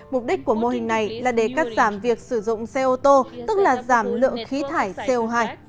mục đích của mô hình này là để cắt giảm việc sử dụng xe ô tô tức là giảm lượng khí thải co hai